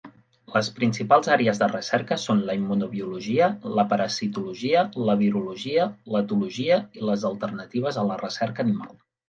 Les principals àrees de recerca són la immunobiologia, la parasitologia, la virologia, l'etologia i les alternatives a la recerca animal.